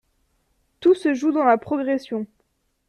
Tout se joue dans la progression.